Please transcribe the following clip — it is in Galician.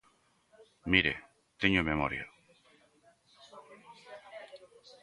Mire, teño memoria.